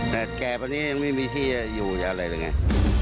แต่แกบอันนี้ยังไม่มีที่อยู่อะไรหรือไง